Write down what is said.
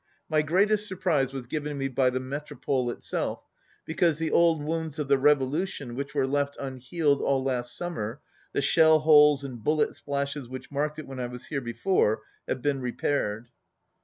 My greatest surprise was 26 given me by the Metropole itself, because the old wounds of the revolution, which were left un healed all last summer, the shell holes and bullet splashes which marked it when I was here before, have been repaired.